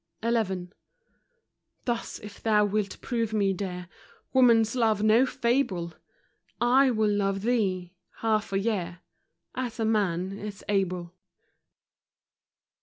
XI. Thus, if thou wilt prove me, dear, Woman's love no fable, / will love thee — half a year, — As a man is able.